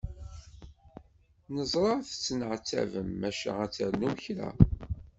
Neẓra tettenɛettabem maca ad ternum kra.